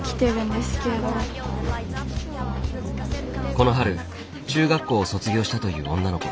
この春中学校を卒業したという女の子。